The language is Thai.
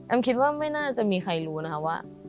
คิดว่าไม่น่าจะมีใครรู้นะคะว่า